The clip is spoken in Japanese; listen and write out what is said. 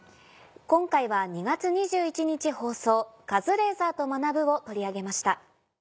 今回は２月２１日放送『カズレーザーと学ぶ。』を取り上げました。